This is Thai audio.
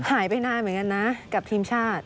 หายไปนานเหมือนกันนะกับทีมชาติ